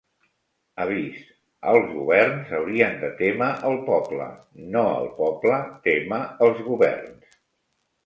Avís: els governs haurien de témer el poble, no el poble témer els governs.